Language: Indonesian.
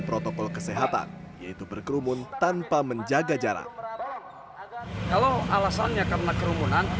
protokol kesehatan yaitu berkerumun tanpa menjaga jarak kalau alasannya karena kerumunan